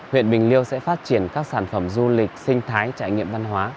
huyện bình liêu sẽ phát triển các sản phẩm du lịch sinh thái trải nghiệm văn hóa